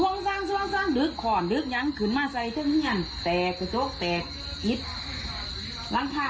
มันก็ห่องมาเอามัน